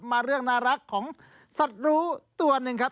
มาเรื่องน่ารักของสัตว์รู้ตัวหนึ่งครับ